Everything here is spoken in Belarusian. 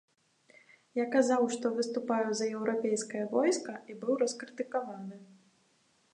Я казаў, што выступаю за еўрапейскае войска, і быў раскрытыкаваны.